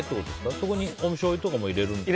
そこにしょうゆとかも入れるんですか？